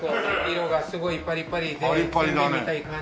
色がすごいパリパリでせんべいみたいな感じで。